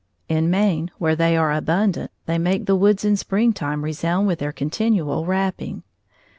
In Maine, where they are abundant, they make the woods in springtime resound with their continual rapping.